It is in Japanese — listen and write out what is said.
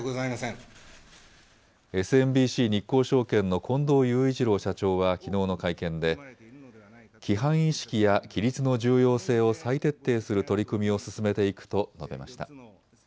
ＳＭＢＣ日興証券の近藤雄一郎社長はきのうの会見で規範意識や規律の重要性を再徹底する取り組みを進めていくと述べました。